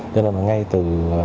nên là ngay từ